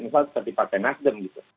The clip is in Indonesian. misalnya seperti partai nasdem